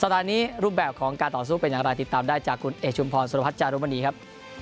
ตอนนี้รูปแบบของการต่อสู้เป็นอย่างไรติดตามได้จากคุณเอกชุมพรสุรพัฒนจารุมณีครับ